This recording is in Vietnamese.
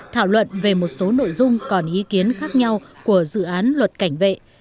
thảo luận về một số nội dung còn ý kiến khác nhau của dự án luật cảnh vệ